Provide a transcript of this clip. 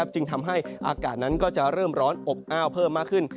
จึงทำให้อากาศนั้นก็จะเริ่มร้อนอบอ้าวเพิ่มมากขึ้น